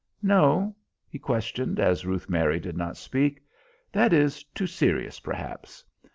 "No?" he questioned, as Ruth Mary did not speak; "that is too serious, perhaps.